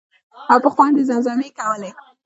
او په خوند یې زمزمې کولې.